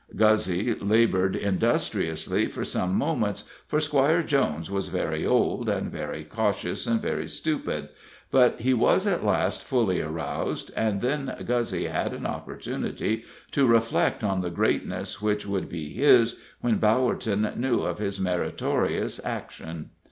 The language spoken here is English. Guzzy labored industriously for some moments, for Squire Jones was very old, and very cautious, and very stupid; but he was at last fully aroused, and then Guzzy had an opportunity to reflect on the greatness which would be his when Bowerton knew of his meritorious action.